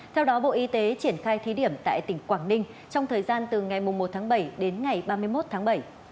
theo đó bộ y tế triển khai thí điểm tại tỉnh quảng ninh trong thời gian từ ngày một tháng bảy đến ngày ba mươi một tháng bảy